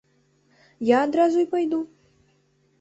Я адразу і пайду.